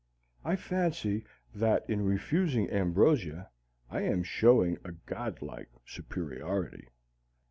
I fancy that in refusing ambrosia I am showing a godlike superiority.